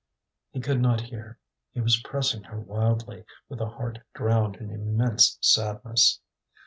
He could not hear; he was pressing her wildly, with a heart drowned in immense sadness.